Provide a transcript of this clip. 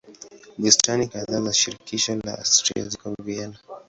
Bustani kadhaa za shirikisho la Austria ziko Vienna.